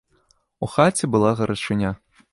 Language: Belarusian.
У хаце была гарачыня.